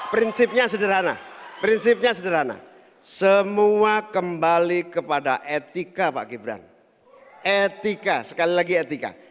prinsipnya sederhana prinsipnya sederhana semua kembali kepada etika pak gibran etika sekali lagi etika